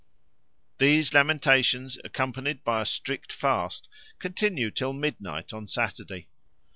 These lamentations, accompanied by a strict fast, continue till midnight on Saturday.